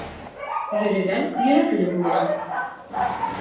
Йөрөгән йөрәкле булыр.